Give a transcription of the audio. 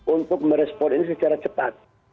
untuk merespon ini secara cepat